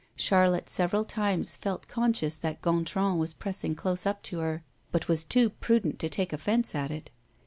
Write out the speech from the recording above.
Charlotte several times felt conscious that Gontran was pressing close up to her, but was too prudent to take offense at it.